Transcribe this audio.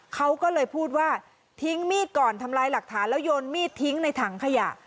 เขาก็เลยพูดว่าทิ้งมีดก่อนทำลายหลักฐานแล้วโยนมีดทิ้งในถังขยะ